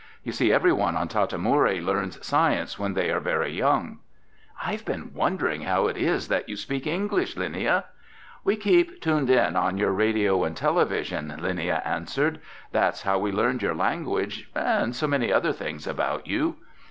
You see, everyone on Tata Moori learns science when they are very young." "I've been wondering how it is that you speak English, Linnia." "We keep tuned in on your radio and television," Linnia answered. "That's how we learned your language and so many other things about you."